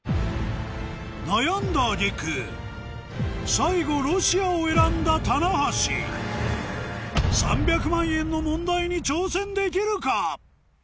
悩んだ揚げ句最後「ロシア」を選んだ棚橋３００万円の問題に挑戦できるか？